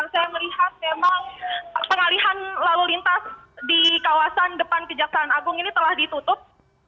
saya melihat memang pengalihan lalu lintas di kawasan depan kejaksaan agung ini telah ditutup